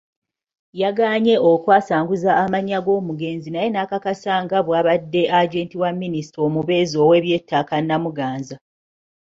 Yagaanye okwasanguza amannya g'omugenzi naye n'akakasa nga bw'abadde Agenti wa Minisita omubeezi ow'ebyettaka Namuganza.